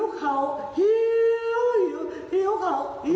หิวณ์เขาหิวเหี่ยวเขา